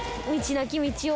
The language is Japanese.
なき道を。